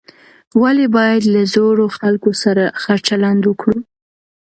ولې باید له زړو خلکو سره ښه چلند وکړو؟